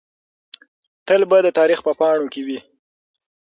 تل به د تاریخ په پاڼو کې وي.